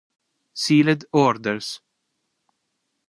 Sealed Orders